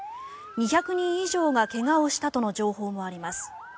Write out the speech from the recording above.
２００人以上が怪我をしたとの情報もあります。